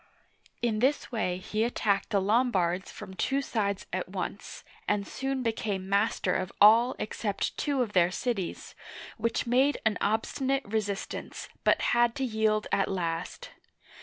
In this way he attacked the Lombards from two sides at once, and soon became master of all except two of their cities, which made an obstinate resistance, but had to yield at last.